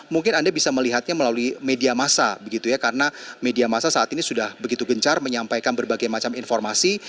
mungkin anda bisa melihatnya melalui media massa karena media masa saat ini sudah begitu gencar menyampaikan berbagai macam informasi